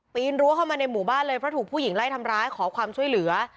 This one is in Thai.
รั้วเข้ามาในหมู่บ้านเลยเพราะถูกผู้หญิงไล่ทำร้ายขอความช่วยเหลือ